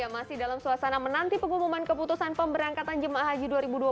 masih dalam suasana menanti pengumuman keputusan pemberangkatan jemaah haji dua ribu dua puluh